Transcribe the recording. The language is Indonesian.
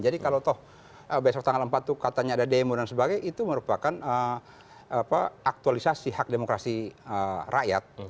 jadi kalau toh besok tanggal empat itu katanya ada demo dan sebagainya itu merupakan aktualisasi hak demokrasi rakyat